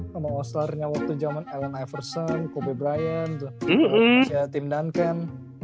kalo all star waktu zaman allen iverson kobe bryant tim duncan